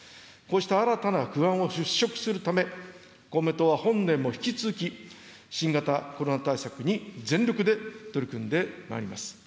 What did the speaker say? こうした新たな不安を払拭するため、公明党は本年も引き続き、新型コロナ対策に全力で取り組んでまいります。